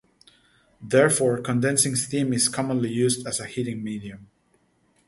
Therefore, condensing steam is commonly used as a heating medium.